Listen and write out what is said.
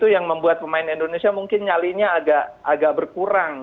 yang membuat pemain indonesia mungkin nyalinya agak berkurang